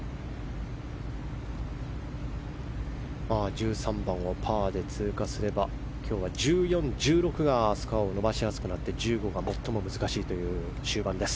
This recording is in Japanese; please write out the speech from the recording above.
１３番をパーで通過すれば今日は１４、１６がスコアを伸ばしやすくなって１５番が最も難しいという終盤です。